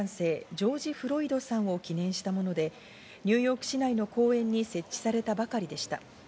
ジョージ・フロイドさんを記念したもので、ニューヨーク市内の公園に設置されたばかりでした。